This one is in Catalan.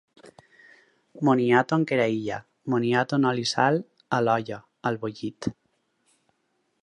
Moniato amb creïlla, moniato amb oli i sal, a l’olla, al bullit…